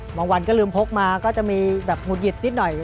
วันก็ลืมพกมาก็จะมีแบบหุดหงิดนิดหน่อย